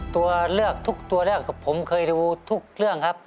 ตัวเลือกทุกตัวเลือกผมเคยดูทุกเรื่องครับ